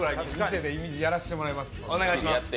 店でいみじやらせてもらいます。